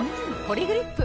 「ポリグリップ」